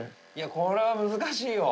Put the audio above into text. これは難しいよ。